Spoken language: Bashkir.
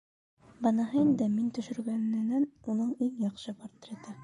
Быныһы инде, мин төшөргәненән, уның иң яҡшы портреты.